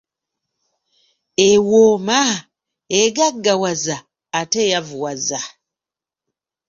"Ewooma, egaggawaza ate eyavuwaza."